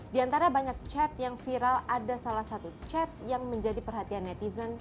di antara banyak chat yang viral ada salah satu chat yang menjadi perhatian netizen